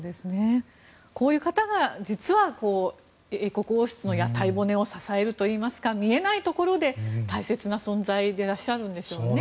こういう方が実は英国王室の屋台骨を支えるといいますか見えないところで大切な存在でいらっしゃるんでしょうね。